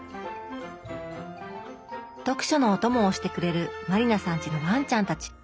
読書のオトモをしてくれる満里奈さんちのワンちゃんたち。